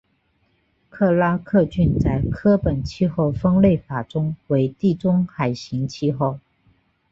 克拉克郡在柯本气候分类法中为地中海型气候。